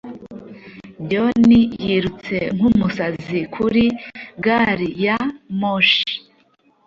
John yirutse nkumusazi kuri gari ya moshi